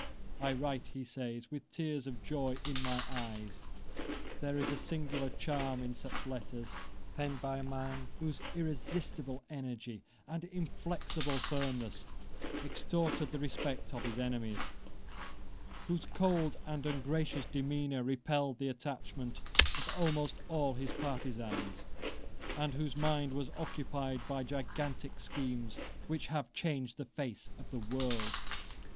"I write," he says, "with tears of joy in my eyes." There is a singular charm in such letters, penned by a man whose irresistible energy and inflexible firmness extorted the respect of his enemies, whose cold and ungracious demeanour repelled the attachment of almost all his partisans, and whose mind was occupied by gigantic schemes which have changed the face of the world.